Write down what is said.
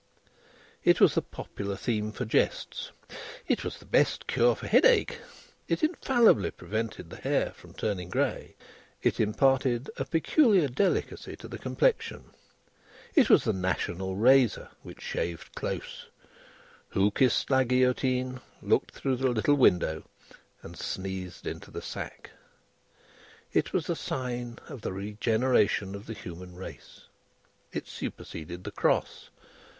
It was the popular theme for jests; it was the best cure for headache, it infallibly prevented the hair from turning grey, it imparted a peculiar delicacy to the complexion, it was the National Razor which shaved close: who kissed La Guillotine, looked through the little window and sneezed into the sack. It was the sign of the regeneration of the human race. It superseded the Cross.